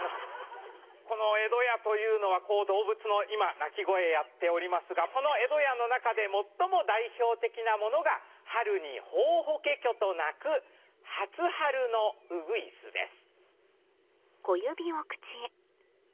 この江戸家というのは動物の鳴き声やっておりますがその江戸家の中で最も代表的なものが春に「ホホケキョ」と鳴く初春のウグイスです。